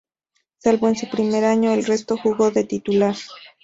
Salvo en su primer año, el resto jugó de titular.